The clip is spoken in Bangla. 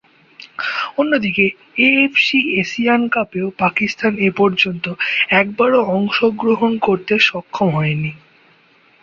অন্যদিকে, এএফসি এশিয়ান কাপেও পাকিস্তান এপর্যন্ত একবারও অংশগ্রহণ করতে সক্ষম হয়নি।